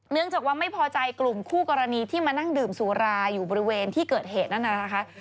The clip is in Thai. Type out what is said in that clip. เนื่องจากว่าไม่พอใจกลุ่มคู่กรณีที่มานั่งดื่มสุราอยู่บริเวณที่เกิดเหตุนั่นน่ะนะคะ